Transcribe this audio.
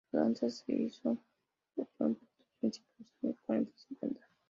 Su banda se hizo popular en Puerto Príncipe en los años cuarenta y cincuenta.